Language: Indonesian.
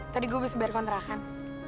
tadi gue bisa bayar kontrakan